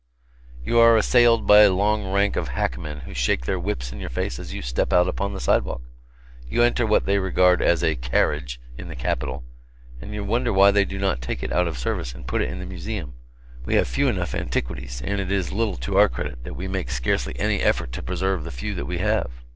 You are assailed by a long rank of hackmen who shake their whips in your face as you step out upon the sidewalk; you enter what they regard as a "carriage," in the capital, and you wonder why they do not take it out of service and put it in the museum: we have few enough antiquities, and it is little to our credit that we make scarcely any effort to preserve the few we have.